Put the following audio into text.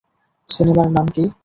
সিনেমার নাম কী?